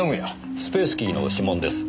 スペースキーの指紋です。